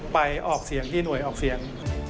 ออกเสียงที่หน่วยออกเสียง